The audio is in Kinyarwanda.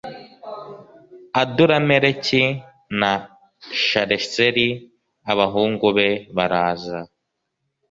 Adurameleki na Shareseri abahungu be baraza